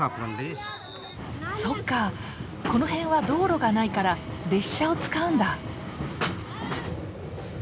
そっかこの辺は道路がないから列車を使うんだ。